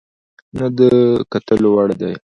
نه د کتلو وړ دى،